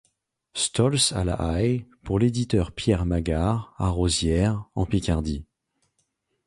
Stols à La Haye pour l'éditeur Pierre Magart à Rosières en Picardie.